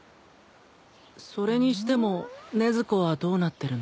それにしても禰豆子はどうなってるの？